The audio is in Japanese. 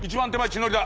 血のりだ。